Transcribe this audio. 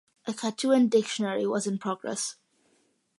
A Quechan dictionary was in progress.